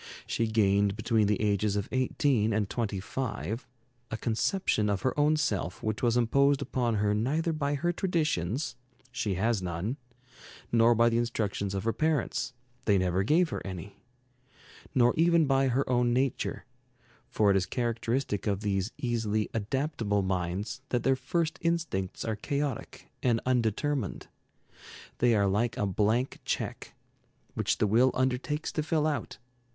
She gained, between the ages of eighteen and twenty five, a conception of her own self which was imposed upon her neither by her traditions she has none; nor by the instructions of her parents they never gave her any; nor even by her own nature for it is characteristic of these easily "adaptable" minds that their first instincts are chaotic and undetermined. They are like a blank check, which the will undertakes to fill out.